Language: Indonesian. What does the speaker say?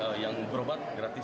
kalau yang berobat seperti apa